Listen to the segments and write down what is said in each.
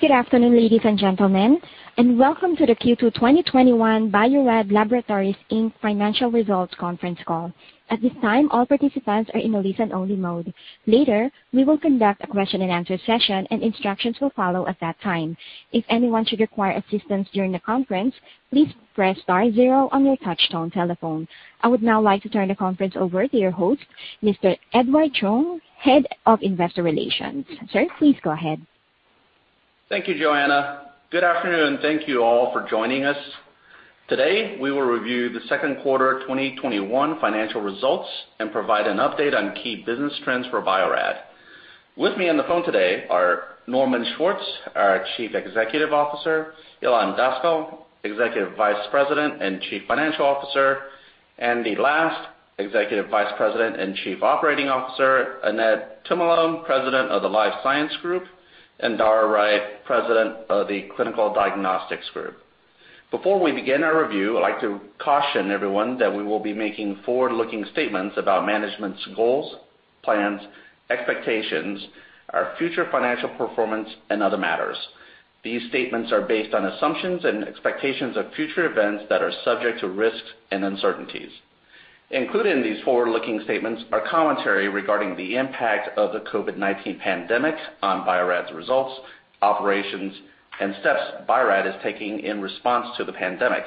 Good afternoon, ladies and gentlemen, and welcome to the Q2 2021 Bio-Rad Laboratories Inc. financial results conference call. At this time, all participants are in a listen-only mode. Later, we will conduct a question-and-answer session, and instructions will follow at that time. If anyone should require assistance during the conference, please press star zero on your touch-tone telephone. I would now like to turn the conference over to your host, Mr. Edward Chung, Head of Investor Relations. Sir, please go ahead. Thank you, Joanna. Good afternoon, and thank you all for joining us. Today, we will review the second quarter 2021 financial results and provide an update on key business trends for Bio-Rad. With me on the phone today are Norman Schwartz, our Chief Executive Officer, Ilan Daskal, Executive Vice President and Chief Financial Officer, Andy Last, Executive Vice President and Chief Operating Officer, Annette Tumolo, President of the Life Science Group, and Dara Wright, President of the Clinical Diagnostics Group. Before we begin our review, I'd like to caution everyone that we will be making forward-looking statements about management's goals, plans, expectations, our future financial performance, and other matters. These statements are based on assumptions and expectations of future events that are subject to risks and uncertainties. Included in these forward-looking statements are commentary regarding the impact of the COVID-19 pandemic on Bio-Rad's results, operations, and steps Bio-Rad is taking in response to the pandemic.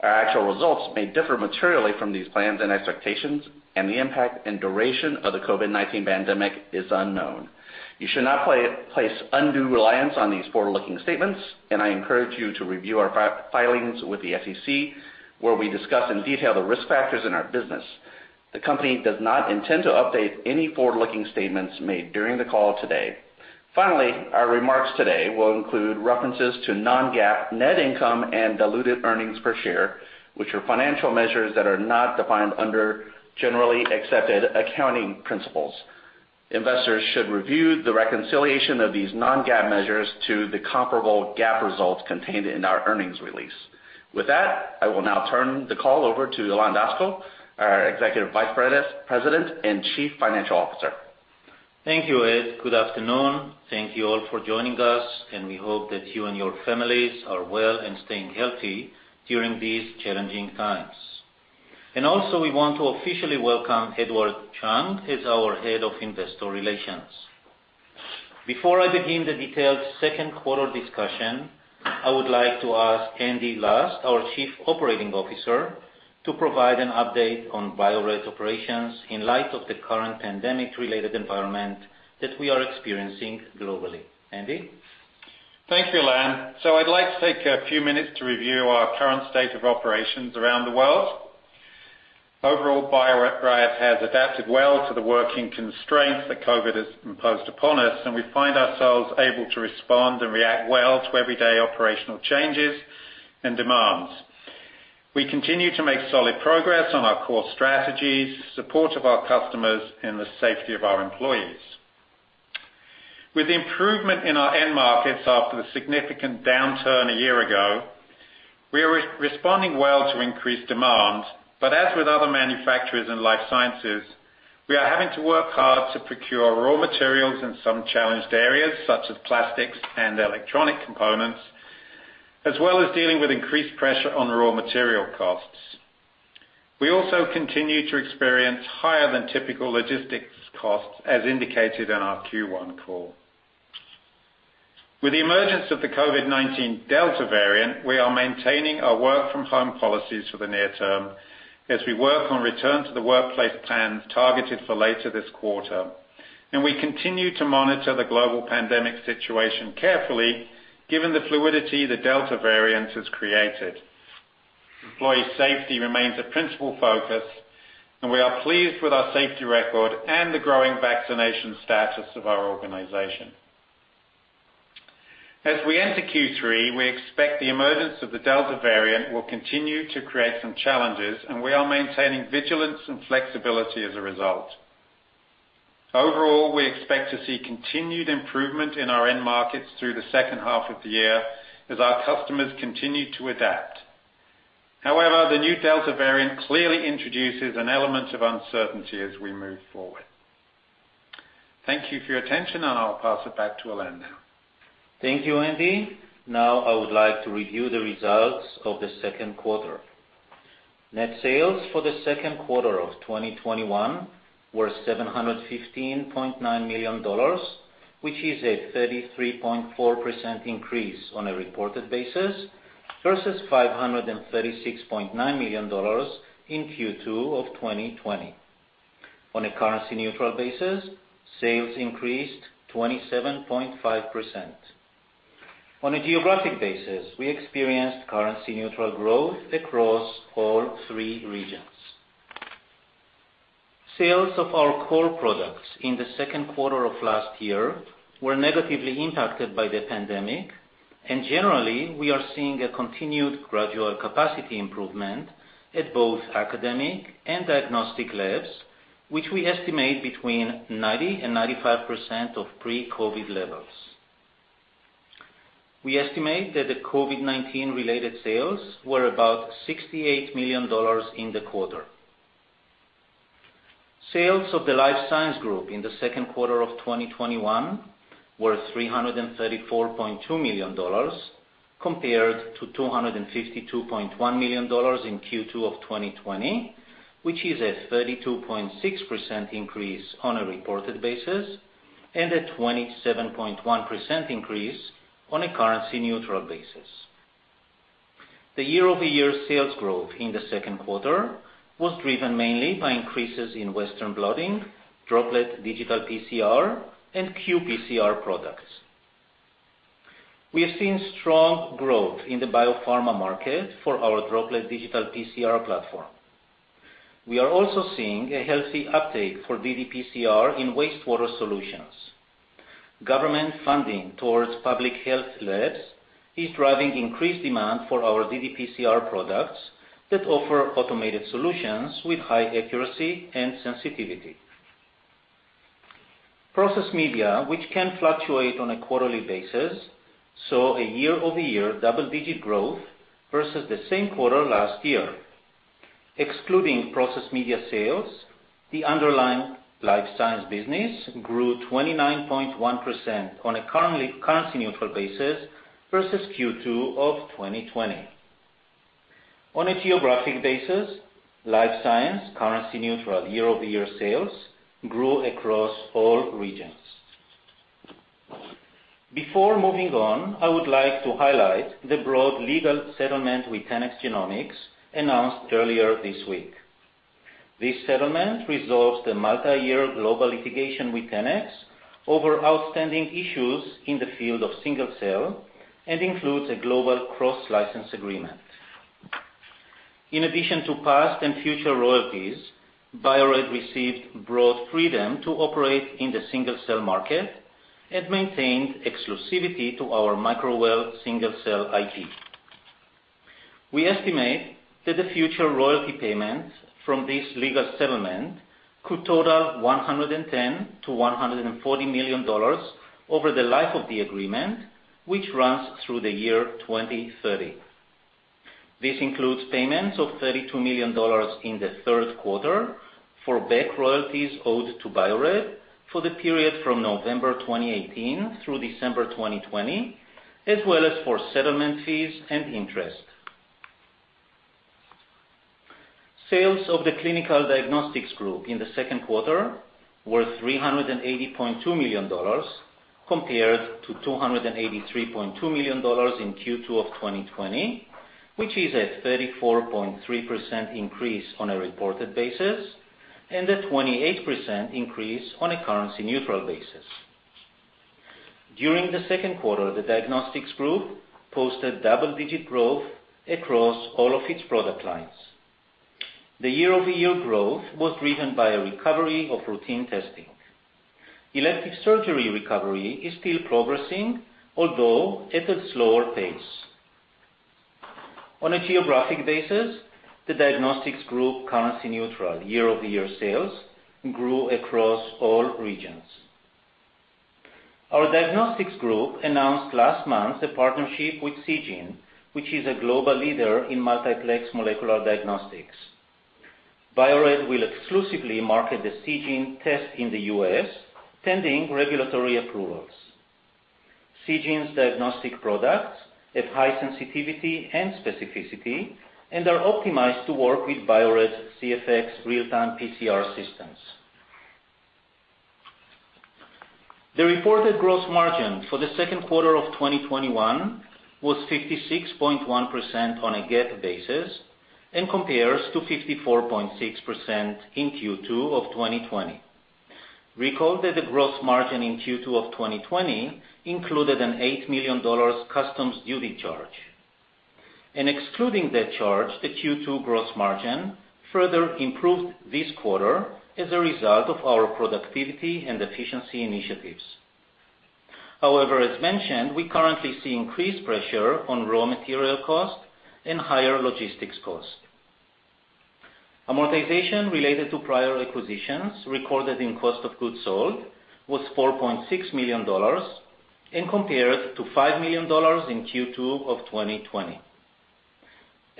Our actual results may differ materially from these plans and expectations, and the impact and duration of the COVID-19 pandemic is unknown. You should not place undue reliance on these forward-looking statements, and I encourage you to review our filings with the SEC, where we discuss in detail the risk factors in our business. The company does not intend to update any forward-looking statements made during the call today. Finally, our remarks today will include references to non-GAAP net income and diluted earnings per share, which are financial measures that are not defined under generally accepted accounting principles. Investors should review the reconciliation of these non-GAAP measures to the comparable GAAP results contained in our earnings release. With that, I will now turn the call over to Ilan Daskal, our Executive Vice President and Chief Financial Officer. Thank you, Ed. Good afternoon. Thank you all for joining us, and we hope that you and your families are well and staying healthy during these challenging times, and also we want to officially welcome Edward Chung as our Head of Investor Relations. Before I begin the detailed second quarter discussion, I would like to ask Andy Last, our Chief Operating Officer, to provide an update on Bio-Rad's operations in light of the current pandemic-related environment that we are experiencing globally. Andy? Thank you, Ilan. So I'd like to take a few minutes to review our current state of operations around the world. Overall, Bio-Rad has adapted well to the working constraints that COVID has imposed upon us, and we find ourselves able to respond and react well to everyday operational changes and demands. We continue to make solid progress on our core strategies, support of our customers, and the safety of our employees. With the improvement in our end markets after the significant downturn a year ago, we are responding well to increased demand, but as with other manufacturers in life sciences, we are having to work hard to procure raw materials in some challenged areas, such as plastics and electronic components, as well as dealing with increased pressure on raw material costs. We also continue to experience higher-than-typical logistics costs, as indicated in our Q1 call. With the emergence of the COVID-19 Delta variant, we are maintaining our work-from-home policies for the near term as we work on return to the workplace plans targeted for later this quarter, and we continue to monitor the global pandemic situation carefully, given the fluidity the Delta variant has created. Employee safety remains a principal focus, and we are pleased with our safety record and the growing vaccination status of our organization. As we enter Q3, we expect the emergence of the Delta variant will continue to create some challenges, and we are maintaining vigilance and flexibility as a result. Overall, we expect to see continued improvement in our end markets through the second half of the year as our customers continue to adapt. However, the new Delta variant clearly introduces an element of uncertainty as we move forward. Thank you for your attention, and I'll pass it back to Ilan now. Thank you, Andy. Now, I would like to review the results of the second quarter. Net sales for the second quarter of 2021 were $715.9 million, which is a 33.4% increase on a reported basis versus $536.9 million in Q2 of 2020. On a currency-neutral basis, sales increased 27.5%. On a geographic basis, we experienced currency-neutral growth across all three regions. Sales of our core products in the second quarter of last year were negatively impacted by the pandemic, and generally, we are seeing a continued gradual capacity improvement at both academic and diagnostic labs, which we estimate between 90% and 95% of pre-COVID levels. We estimate that the COVID-19-related sales were about $68 million in the quarter. Sales of the Life Science Group in the second quarter of 2021 were $334.2 million, compared to $252.1 million in Q2 of 2020, which is a 32.6% increase on a reported basis and a 27.1% increase on a currency-neutral basis. The year-over-year sales growth in the second quarter was driven mainly by increases in Western blotting, droplet digital PCR, and qPCR products. We have seen strong growth in the biopharma market for our droplet digital PCR platform. We are also seeing a healthy uptake for ddPCR in wastewater solutions. Government funding towards public health labs is driving increased demand for our ddPCR products that offer automated solutions with high accuracy and sensitivity. Process media, which can fluctuate on a quarterly basis, saw a year-over-year double-digit growth versus the same quarter last year. Excluding process media sales, the underlying life science business grew 29.1% on a currency-neutral basis versus Q2 of 2020. On a geographic basis, life science currency-neutral year-over-year sales grew across all regions. Before moving on, I would like to highlight the broad legal settlement with 10x Genomics announced earlier this week. This settlement resolves the multi-year global litigation with 10x Genomics over outstanding issues in the field of single-cell and includes a global cross-license agreement. In addition to past and future royalties, Bio-Rad received broad freedom to operate in the single-cell market and maintained exclusivity to our microwell single-cell IP. We estimate that the future royalty payments from this legal settlement could total $110-$140 million over the life of the agreement, which runs through the year 2030. This includes payments of $32 million in the third quarter for back royalties owed to Bio-Rad for the period from November 2018 through December 2020, as well as for settlement fees and interest. Sales of the Clinical Diagnostics Group in the second quarter were $380.2 million compared to $283.2 million in Q2 of 2020, which is a 34.3% increase on a reported basis and a 28% increase on a currency-neutral basis. During the second quarter, the Diagnostics Group posted double-digit growth across all of its product lines. The year-over-year growth was driven by a recovery of routine testing. Elective surgery recovery is still progressing, although at a slower pace. On a geographic basis, the Diagnostics Group currency-neutral year-over-year sales grew across all regions. Our Diagnostics Group announced last month a partnership with Seegene, which is a global leader in multiplex molecular diagnostics. Bio-Rad will exclusively market the Seegene test in the U.S., pending regulatory approvals. Seegene's diagnostic products have high sensitivity and specificity and are optimized to work with Bio-Rad's CFX Real-Time PCR Systems. The reported gross margin for the second quarter of 2021 was 56.1% on a GAAP basis and compares to 54.6% in Q2 of 2020. Recall that the gross margin in Q2 of 2020 included an $8 million customs duty charge. Excluding that charge, the Q2 gross margin further improved this quarter as a result of our productivity and efficiency initiatives. However, as mentioned, we currently see increased pressure on raw material cost and higher logistics cost. Amortization related to prior acquisitions recorded in cost of goods sold was $4.6 million and compared to $5 million in Q2 of 2020.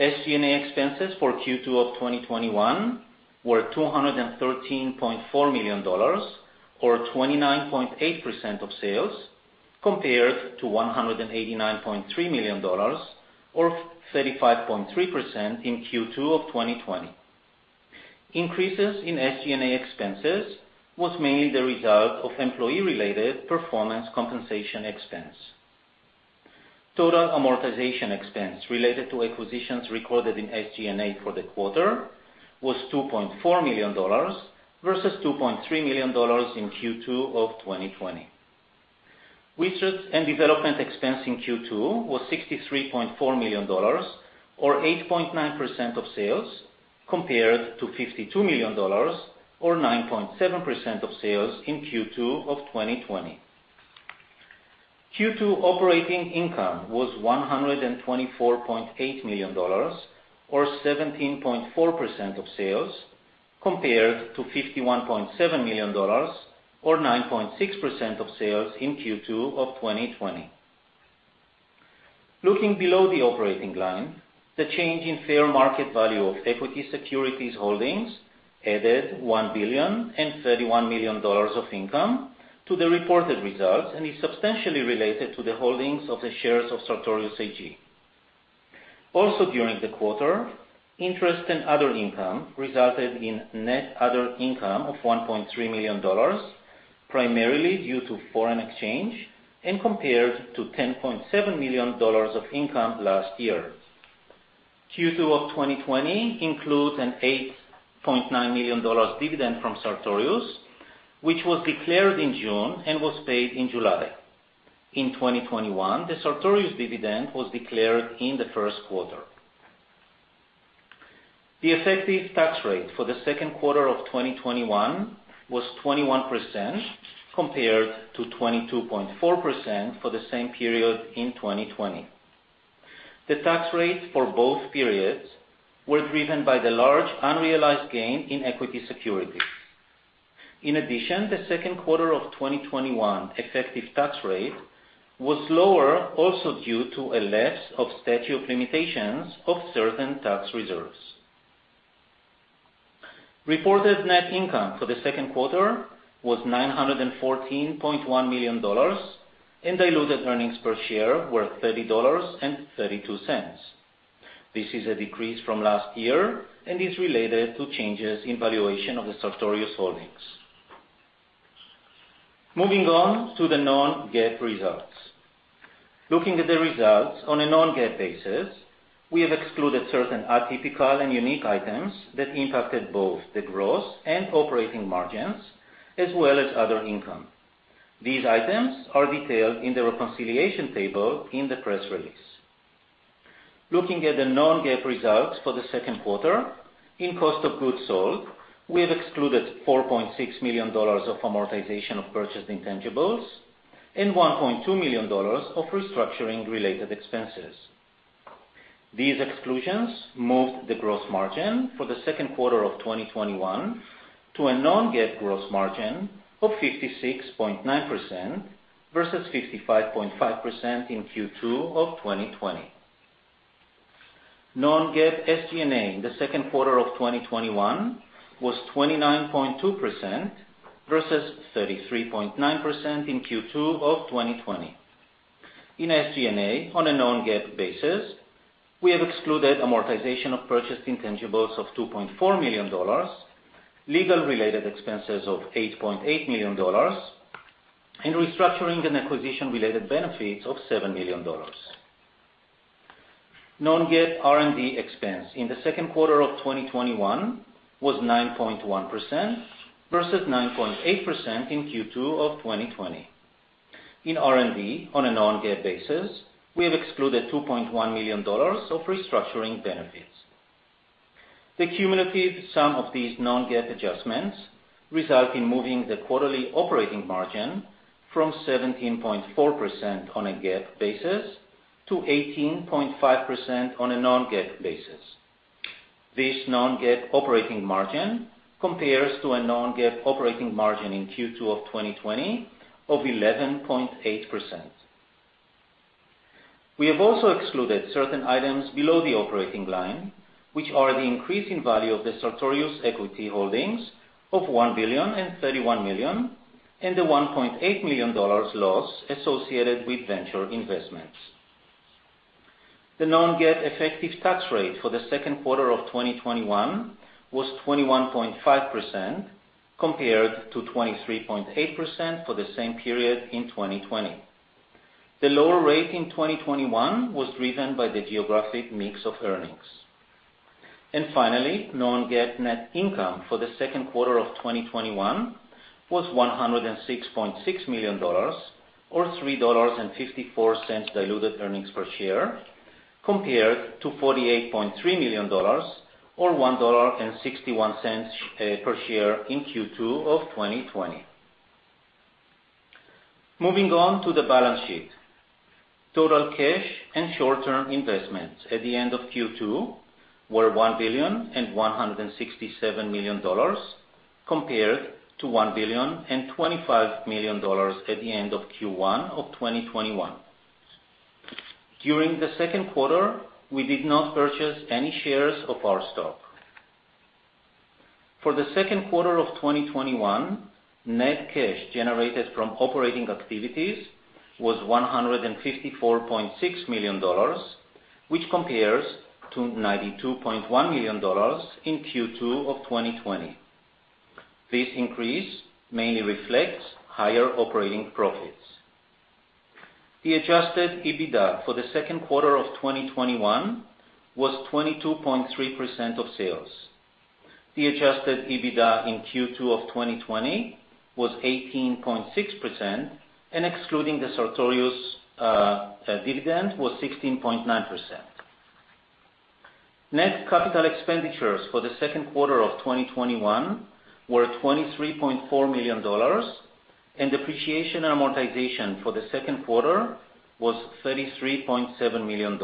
SG&A expenses for Q2 of 2021 were $213.4 million, or 29.8% of sales, compared to $189.3 million, or 35.3% in Q2 of 2020. Increases in SG&A expenses were mainly the result of employee-related performance compensation expense. Total amortization expense related to acquisitions recorded in SG&A for the quarter was $2.4 million versus $2.3 million in Q2 of 2020. Research and development expense in Q2 was $63.4 million, or 8.9% of sales, compared to $52 million, or 9.7% of sales in Q2 of 2020. Q2 operating income was $124.8 million, or 17.4% of sales, compared to $51.7 million, or 9.6% of sales in Q2 of 2020. Looking below the operating line, the change in fair market value of equity securities holdings added $1 billion and $31 million of income to the reported results and is substantially related to the holdings of the shares of Sartorius AG. Also during the quarter, interest and other income resulted in net other income of $1.3 million, primarily due to foreign exchange, and compared to $10.7 million of income last year. Q2 of 2020 includes an $8.9 million dividend from Sartorius, which was declared in June and was paid in July. In 2021, the Sartorius dividend was declared in the first quarter. The effective tax rate for the second quarter of 2021 was 21%, compared to 22.4% for the same period in 2020. The tax rates for both periods were driven by the large unrealized gain in equity securities. In addition, the second quarter of 2021 effective tax rate was lower also due to a lapse of statute of limitations of certain tax reserves. Reported net income for the second quarter was $914.1 million, and diluted earnings per share were $30.32. This is a decrease from last year and is related to changes in valuation of the Sartorius holdings. Moving on to the non-GAAP results. Looking at the results on a non-GAAP basis, we have excluded certain atypical and unique items that impacted both the gross and operating margins, as well as other income. These items are detailed in the reconciliation table in the press release. Looking at the non-GAAP results for the second quarter, in cost of goods sold, we have excluded $4.6 million of amortization of purchased intangibles and $1.2 million of restructuring-related expenses. These exclusions moved the gross margin for the second quarter of 2021 to a non-GAAP gross margin of 56.9% versus 55.5% in Q2 of 2020. Non-GAAP SG&A in the second quarter of 2021 was 29.2% versus 33.9% in Q2 of 2020. In SG&A, on a non-GAAP basis, we have excluded amortization of purchased intangibles of $2.4 million, legal-related expenses of $8.8 million, and restructuring and acquisition-related benefits of $7 million. Non-GAAP R&D expense in the second quarter of 2021 was 9.1% versus 9.8% in Q2 of 2020. In R&D, on a non-GAAP basis, we have excluded $2.1 million of restructuring benefits. The cumulative sum of these non-GAAP adjustments resulted in moving the quarterly operating margin from 17.4% on a GAAP basis to 18.5% on a non-GAAP basis. This non-GAAP operating margin compares to a non-GAAP operating margin in Q2 of 2020 of 11.8%. We have also excluded certain items below the operating line, which are the increase in value of the Sartorius equity holdings of $1 billion and $31 million, and the $1.8 million loss associated with venture investments. The Non-GAAP effective tax rate for the second quarter of 2021 was 21.5% compared to 23.8% for the same period in 2020. The lower rate in 2021 was driven by the geographic mix of earnings. And finally, Non-GAAP net income for the second quarter of 2021 was $106.6 million, or $3.54 diluted earnings per share, compared to $48.3 million, or $1.61 per share in Q2 of 2020. Moving on to the balance sheet, total cash and short-term investments at the end of Q2 were $1 billion and $167 million, compared to $1 billion and $25 million at the end of Q1 of 2021. During the second quarter, we did not purchase any shares of our stock. For the second quarter of 2021, net cash generated from operating activities was $154.6 million, which compares to $92.1 million in Q2 of 2020. This increase mainly reflects higher operating profits. The adjusted EBITDA for the second quarter of 2021 was 22.3% of sales. The adjusted EBITDA in Q2 of 2020 was 18.6%, and excluding the Sartorius dividend, was 16.9%. Net capital expenditures for the second quarter of 2021 were $23.4 million, and depreciation and amortization for the second quarter was $33.7 million.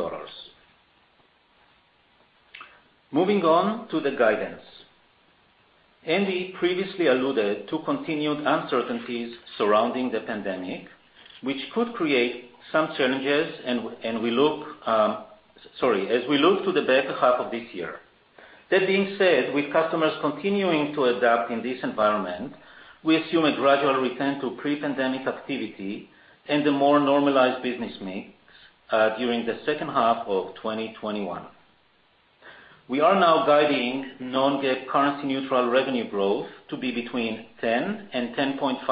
Moving on to the guidance. Andy previously alluded to continued uncertainties surrounding the pandemic, which could create some challenges as we look to the better half of this year. That being said, with customers continuing to adapt in this environment, we assume a gradual return to pre-pandemic activity and a more normalized business mix during the second half of 2021. We are now guiding non-GAAP currency-neutral revenue growth to be between 10 and 10.5%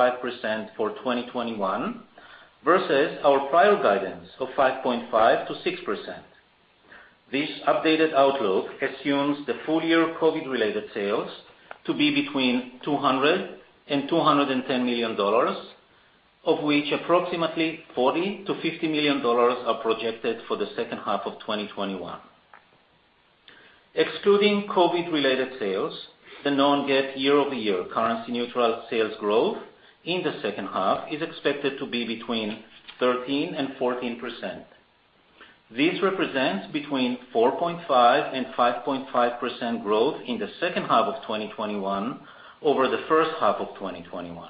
for 2021 versus our prior guidance of 5.5 to 6%. This updated outlook assumes the full-year COVID-related sales to be between $200-$210 million, of which approximately $40-$50 million are projected for the second half of 2021. Excluding COVID-related sales, the non-GAAP year-over-year currency-neutral sales growth in the second half is expected to be between 13%-14%. This represents between 4.5%-5.5% growth in the second half of 2021 over the first half of 2021.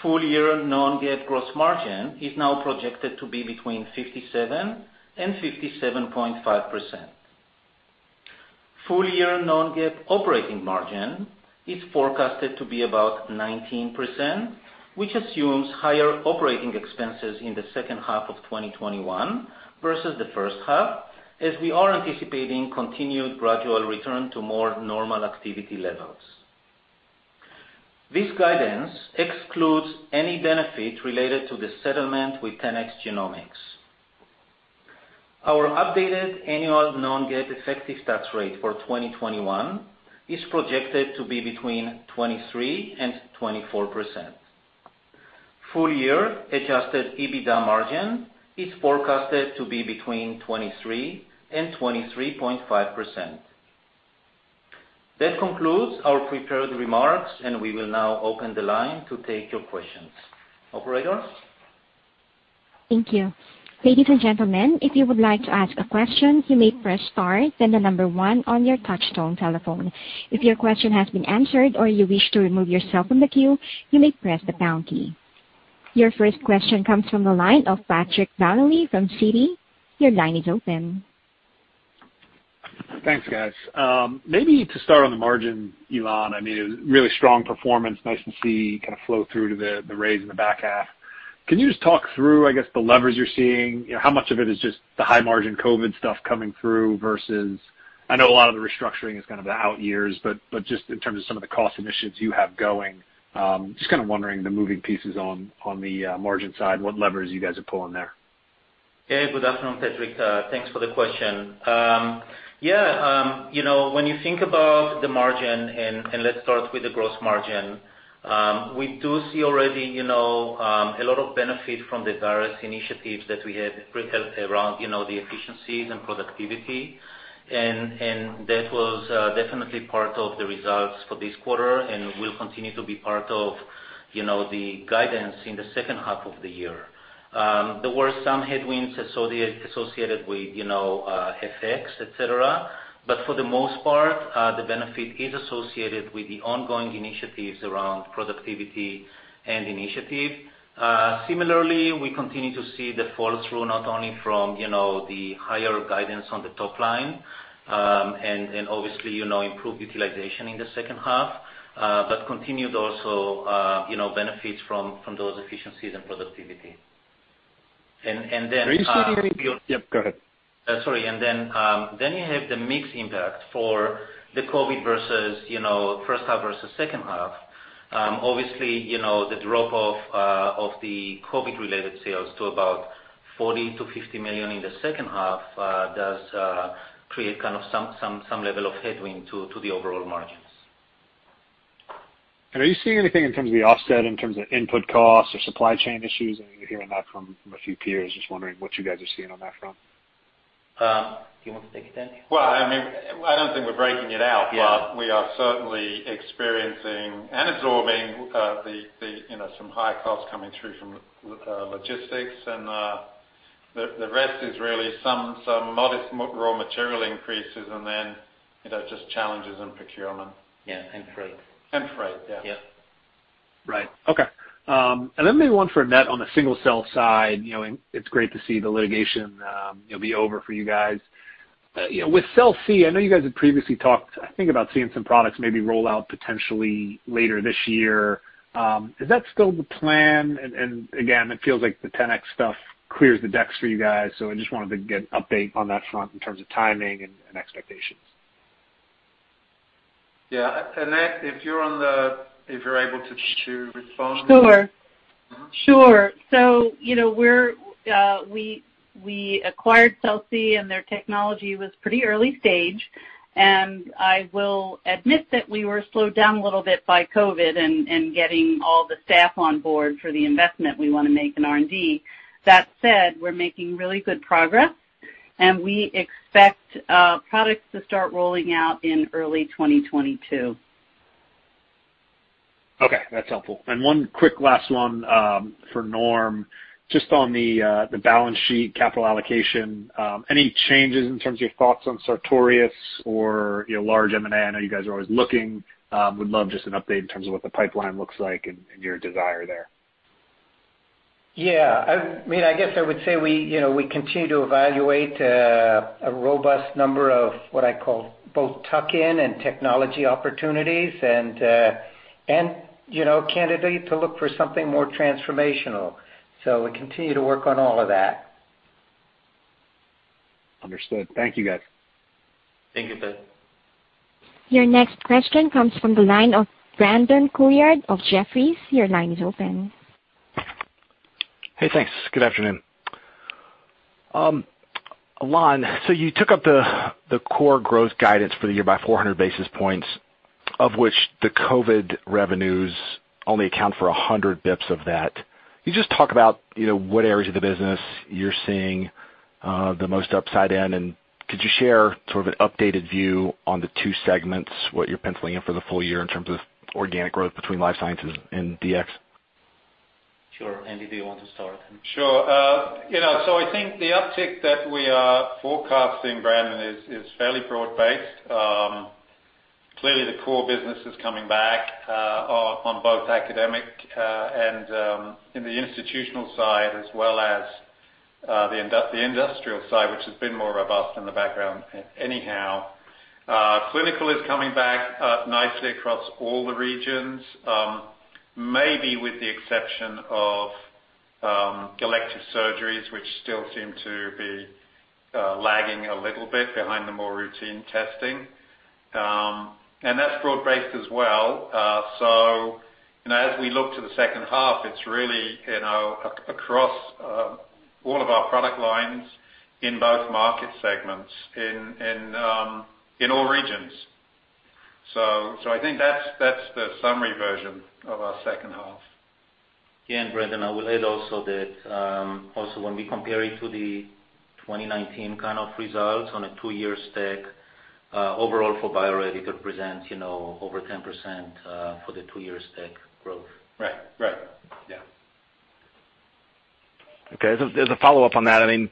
Full-year non-GAAP gross margin is now projected to be between 57%-57.5%. Full-year non-GAAP operating margin is forecasted to be about 19%, which assumes higher operating expenses in the second half of 2021 versus the first half, as we are anticipating continued gradual return to more normal activity levels. This guidance excludes any benefit related to the settlement with 10x Genomics. Our updated annual non-GAAP effective tax rate for 2021 is projected to be between 23%-24%. Full-year adjusted EBITDA margin is forecasted to be between 23% and 23.5%. That concludes our prepared remarks, and we will now open the line to take your questions. Operator? Thank you. Ladies and gentlemen, if you would like to ask a question, you may press star, then the number one on your touch-tone telephone. If your question has been answered or you wish to remove yourself from the queue, you may press the pound key. Your first question comes from the line of Patrick Donnelly from Citi. Your line is open. Thanks, guys. Maybe to start on the margin, Ilan, I mean, it was really strong performance. Nice to see kind of flow through to the raise in the back half. Can you just talk through, I guess, the levers you're seeing? How much of it is just the high-margin COVID stuff coming through versus I know a lot of the restructuring is kind of the out years, but just in terms of some of the cost initiatives you have going, just kind of wondering the moving pieces on the margin side, what levers you guys are pulling there? Yeah, good afternoon, Patrick. Thanks for the question. Yeah, when you think about the margin, and let's start with the gross margin, we do see already a lot of benefit from the various initiatives that we had around the efficiencies and productivity. And that was definitely part of the results for this quarter and will continue to be part of the guidance in the second half of the year. There were some headwinds associated with FX, etc., but for the most part, the benefit is associated with the ongoing initiatives around productivity and initiative. Similarly, we continue to see the flow-through not only from the higher guidance on the top line and obviously improved utilization in the second half, but continued also benefits from those efficiencies and productivity. And then yep, go ahead. Sorry. And then you have the mixed impact for the COVID versus first half versus second half. Obviously, the drop of the COVID-related sales to about $40 million-$50 million in the second half does create kind of some level of headwind to the overall margins. And are you seeing anything in terms of the offset, in terms of input costs or supply chain issues? I know you're hearing that from a few peers. Just wondering what you guys are seeing on that front. Do you want to take it Andy? Well, I mean, I don't think we're breaking it out, but we are certainly experiencing and absorbing some high costs coming through from logistics. And the rest is really some modest raw material increases and then just challenges in procurement. Yeah, and trade. And trade, yeah. Yep. Right. Okay. And then maybe one for Annette on the single cell side. It's great to see the litigation be over for you guys. With Celsee, I know you guys had previously talked, I think, about seeing some products maybe roll out potentially later this year. Is that still the plan? And again, it feels like the 10x stuff clears the decks for you guys. So I just wanted to get an update on that front in terms of timing and expectations. Yeah. Annette, if you're able to respond. Sure. Sure. So we acquired Celsee, and their technology was pretty early stage. And I will admit that we were slowed down a little bit by COVID and getting all the staff on board for the investment we want to make in R&D. That said, we're making really good progress, and we expect products to start rolling out in early 2022. Okay. That's helpful. And one quick last one for Norm, just on the balance sheet, capital allocation, any changes in terms of your thoughts on Sartorius or large M&A? I know you guys are always looking. Would love just an update in terms of what the pipeline looks like and your desire there. Yeah. I mean, I guess I would say we continue to evaluate a robust number of what I call both tuck-in and technology opportunities and candidly to look for something more transformational. So we continue to work on all of that. Understood. Thank you, guys. Thank you, Patrick. Your next question comes from the line of Brandon Couillard of Jefferies. Your line is open. Hey, thanks. Good afternoon. Ilan, so you took up the core growth guidance for the year by 400 basis points, of which the COVID revenues only account for 100 basis points of that. Can you just talk about what areas of the business you're seeing the most upside in? And could you share sort of an updated view on the two segments, what you're penciling in for the full year in terms of organic growth between life sciences and DX? Sure. Andy, do you want to start? Sure. So I think the uptick that we are forecasting, Brandon, is fairly broad-based. Clearly, the core business is coming back on both academic and in the institutional side, as well as the industrial side, which has been more robust in the background anyhow. Clinical is coming back nicely across all the regions, maybe with the exception of elective surgeries, which still seem to be lagging a little bit behind the more routine testing, and that's broad-based as well. As we look to the second half, it's really across all of our product lines in both market segments in all regions. So I think that's the summary version of our second half. Yeah, and Brandon, I will add that when we compare it to the 2019 kind of results on a two-year stack, overall for Bio-Rad presents over 10% for the two-year stack growth. Right. Right. Yeah. Okay. As a follow-up on that, I mean,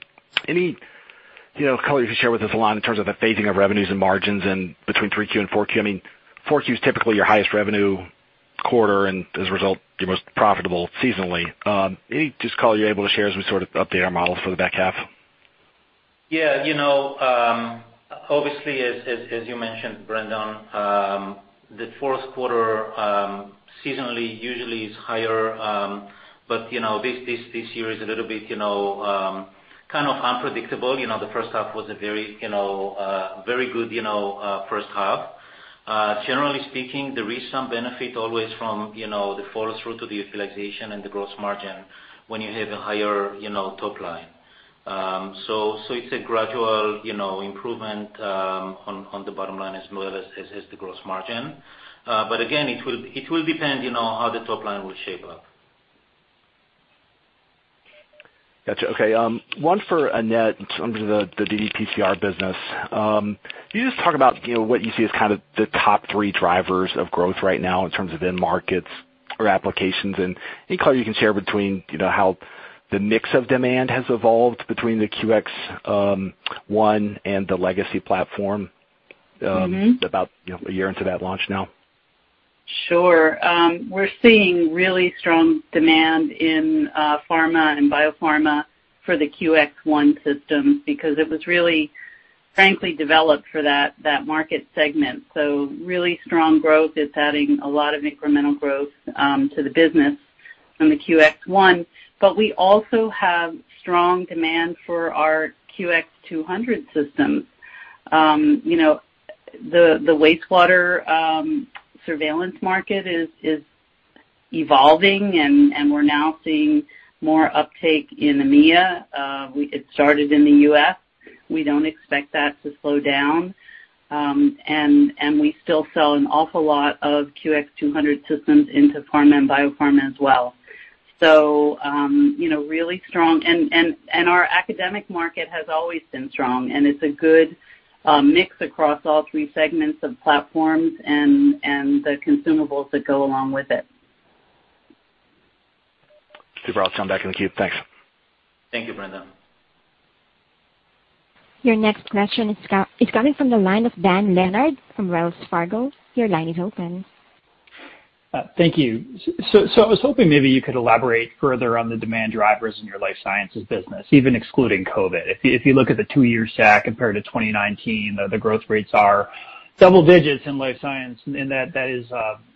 any color you can share with us, Ilan, in terms of the phasing of revenues and margins and between 3Q and 4Q? I mean, 4Q is typically your highest revenue quarter and, as a result, your most profitable seasonally. Any just color you're able to share as we sort of update our models for the back half? Yeah. Obviously, as you mentioned, Brandon, the fourth quarter seasonally usually is higher, but this year is a little bit kind of unpredictable. The first half was a very good first half. Generally speaking, there is some benefit always from the fall-through to the utilization and the gross margin when you have a higher top line. So it's a gradual improvement on the bottom line as well as the gross margin. But again, it will depend on how the top line will shape up. Gotcha. Okay. One for Annette in terms of the ddPCR business. Can you just talk about what you see as kind of the top three drivers of growth right now in terms of end markets or applications? And any color you can share between how the mix of demand has evolved between the QX ONE and the legacy platform about a year into that launch now? Sure. We're seeing really strong demand in pharma and biopharma for the QX ONE system because it was really, frankly, developed for that market segment. So really strong growth. It's adding a lot of incremental growth to the business on the QX ONE. But we also have strong demand for our QX200 systems. The wastewater surveillance market is evolving, and we're now seeing more uptake in EMEA. It started in the U.S. We don't expect that to slow down. And we still sell an awful lot of QX200 systems into pharma and biopharma as well. So really strong. And our academic market has always been strong, and it's a good mix across all three segments of platforms and the consumables that go along with it. Super. I'll turn back in the queue. Thanks. Thank you, Brandon. Your next question is coming from the line of Dan Leonard from Wells Fargo. Your line is open. Thank you. So I was hoping maybe you could elaborate further on the demand drivers in your life sciences business, even excluding COVID. If you look at the two-year stack compared to 2019, the growth rates are double digits in life science, and that is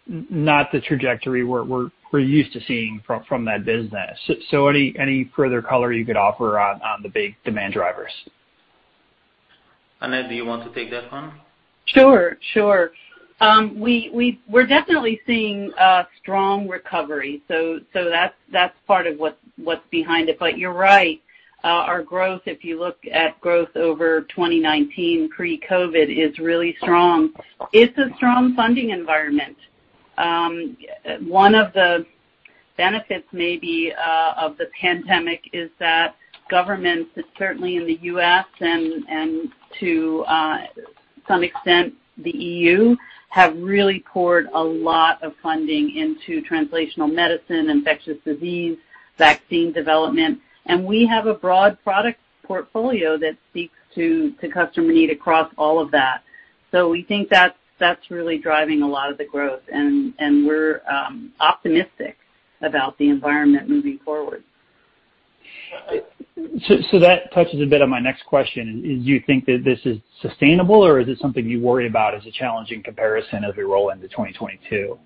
not the trajectory we're used to seeing from that business. So any further color you could offer on the big demand drivers? Annette, do you want to take that one? Sure. Sure. We're definitely seeing strong recovery. So that's part of what's behind it. But you're right. Our growth, if you look at growth over 2019 pre-COVID, is really strong. It's a strong funding environment. One of the benefits maybe of the pandemic is that governments, certainly in the U.S. and to some extent the EU, have really poured a lot of funding into translational medicine, infectious disease, vaccine development. And we have a broad product portfolio that speaks to customer need across all of that. So we think that's really driving a lot of the growth, and we're optimistic about the environment moving forward. So that touches a bit on my next question. Do you think that this is sustainable, or is it something you worry about as a challenging comparison as we roll into 2022?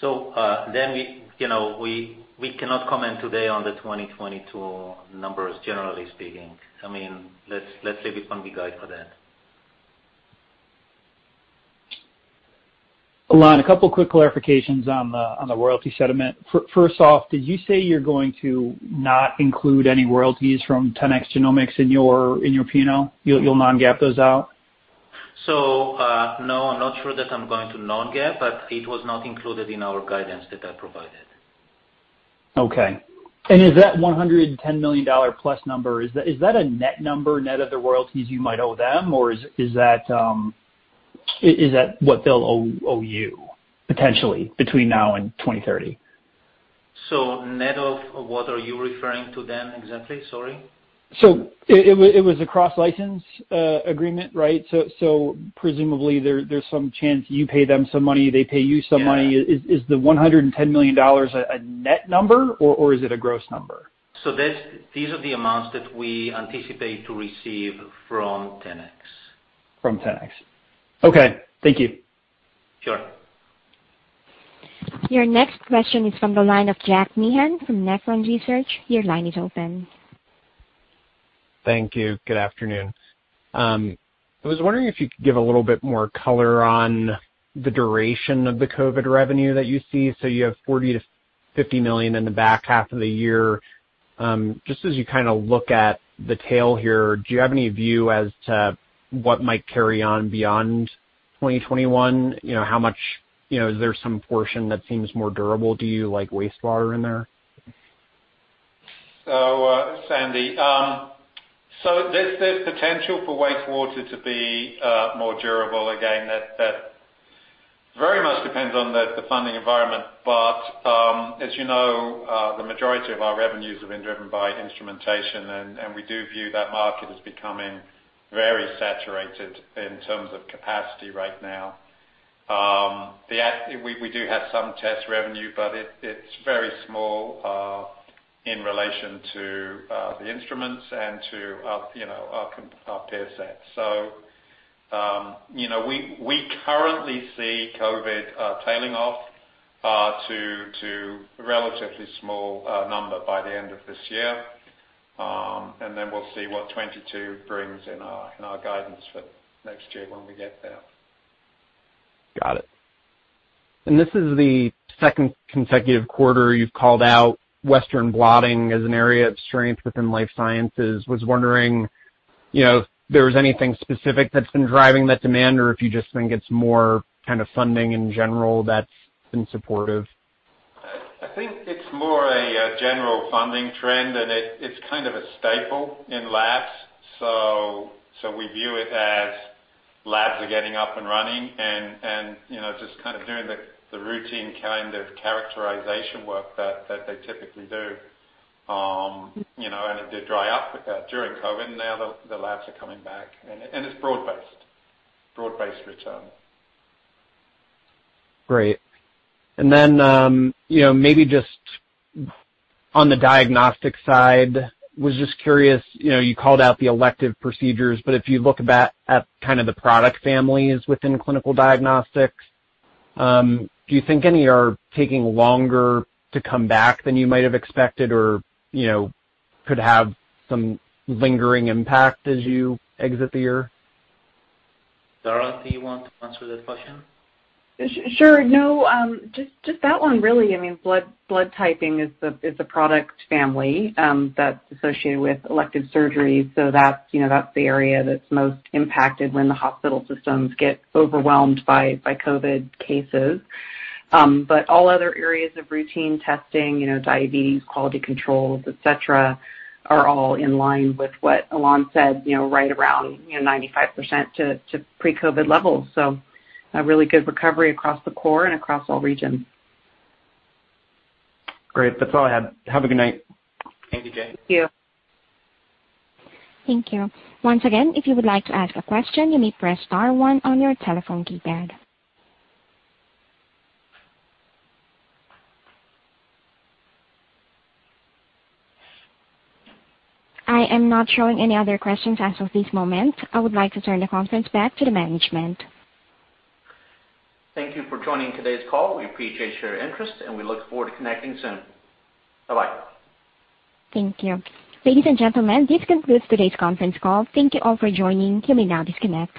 So then we cannot comment today on the 2022 numbers, generally speaking. I mean, let's leave it on the guide for that. Ilan, a couple of quick clarifications on the royalty settlement. First off, did you say you're going to not include any royalties from 10x Genomics in your P&L? You'll non-GAAP those out? So no, I'm not sure that I'm going to non-GAAP, but it was not included in our guidance that I provided. Okay. And is that $110 million-plus number, is that a net number, net of the royalties you might owe them, or is that what they'll owe you potentially between now and 2030? So net of what are you referring to then exactly? Sorry. So it was a cross-license agreement, right? So presumably, there's some chance you pay them some money, they pay you some money. Is the $110 million a net number, or is it a gross number? So these are the amounts that we anticipate to receive from 10x. From 10x. Okay. Thank you. Sure. Your next question is from the line of Jack Meehan from Nephron Research. Your line is open. Thank you. Good afternoon. I was wondering if you could give a little bit more color on the duration of the COVID revenue that you see. So you have $40 million-$50 million in the back half of the year. Just as you kind of look at the tail here, do you have any view as to what might carry on beyond 2021? How much is there some portion that seems more durable to you, like wastewater in there? So, it's Andy, so there's potential for wastewater to be more durable. Again, that very much depends on the funding environment. But as you know, the majority of our revenues have been driven by instrumentation, and we do view that market as becoming very saturated in terms of capacity right now. We do have some test revenue, but it's very small in relation to the instruments and to our peer set. So we currently see COVID tailing off to a relatively small number by the end of this year. And then we'll see what 2022 brings in our guidance for next year when we get there. Got it. And this is the second consecutive quarter you've called out Western blotting as an area of strength within life sciences. I was wondering if there was anything specific that's been driving that demand, or if you just think it's more kind of funding in general that's been supportive? I think it's more a general funding trend, and it's kind of a staple in labs. So we view it as labs are getting up and running and just kind of doing the routine kind of characterization work that they typically do. And it did dry up during COVID, and now the labs are coming back. And it's broad-based. Broad-based return. Great. And then maybe just on the diagnostic side, I was just curious. You called out the elective procedures, but if you look at kind of the product families within clinical diagnostics, do you think any are taking longer to come back than you might have expected or could have some lingering impact as you exit the year? Dara, do you want to answer that question? Sure. No. Just that one, really. I mean, blood typing is a product family that's associated with elective surgeries. So that's the area that's most impacted when the hospital systems get overwhelmed by COVID cases. But all other areas of routine testing, diabetes, quality controls, etc., are all in line with what Ilan said, right around 95% to pre-COVID levels. So a really good recovery across the core and across all regions. Great. That's all I had. Have a good night. Thank you, Jack. Thank you. Thank you. Once again, if you would like to ask a question, you may press star one on your telephone keypad. I am not showing any other questions as of this moment. I would like to turn the conference back to the management. Thank you for joining today's call. We appreciate your interest, and we look forward to connecting soon. Bye-bye. Thank you. Ladies and gentlemen, this concludes today's conference call. Thank you all for joining. You may now disconnect.